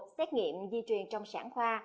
xét nghiệm di truyền trong sản khoa